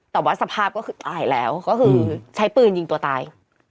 แต่ว่าสภาพก็คือตายแล้วก็คือใช้ปืนยิงตัวตาย